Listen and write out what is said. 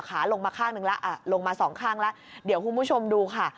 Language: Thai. ขาลงมาข้างหนึ่งแล้วอ่ะลงมาสองข้างแล้วเดี๋ยวคุณผู้ชมดูค่ะ